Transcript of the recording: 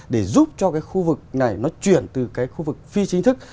để giúp cho cái khu vực này nó chuyển từ cái khu vực phi chính thức